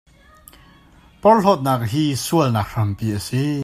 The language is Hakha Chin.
Porhlawtnak hi sualnak hrampi a si.